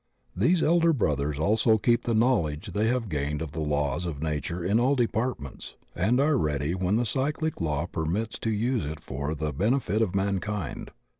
These elder brothers also keep the knowledge they have gained of the laws of nature in all departments, and are ready when cycUc law permits to use it for the benefit of mankind.